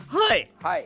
はい！